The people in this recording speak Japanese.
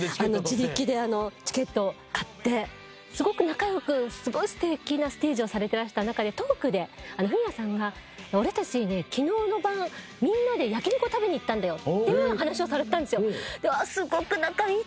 すごく仲良くすごい素敵なステージをされていらした中でトークでフミヤさんが「俺たち昨日の晩みんなで焼肉を食べに行ったんだよ」っていう話をされてたんですよ。